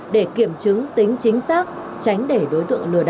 để kiểm chứng tính chính xác tránh để đối tượng lừa đảo